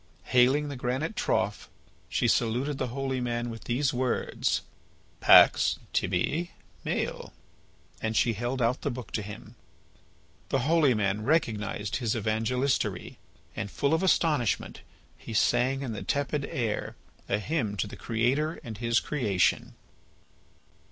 Hailing the granite trough, she saluted the holy man with these words: "Pax tibi Maël." And she held out the book to him. The holy man recognised his evangelistary, and, full of astonishment, he sang in the tepid air a hymn to the Creator and His creation.